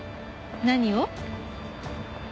何を？